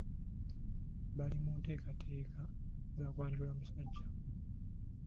Bali mu nteekateeka za kwajula musajja.